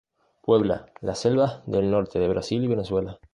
Puebla las selvas del norte de Brasil y Venezuela.